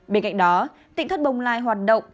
bên cạnh đó tỉnh thất bồng lai hoạt động